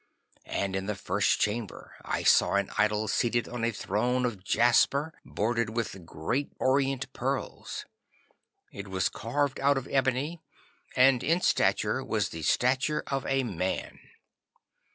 'And in the first chamber I saw an idol seated on a throne of jasper bordered with great orient pearls. It was carved out of ebony, and in stature was of the stature of a man.